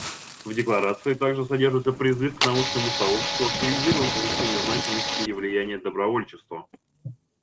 В декларации также содержится призыв к научному сообществу активизировать изучение значимости и влияния добровольчества.